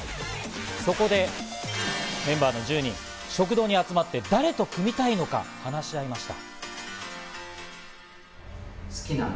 そこでメンバーの１０人、食堂に集まって誰と組みたいのか話し合いました。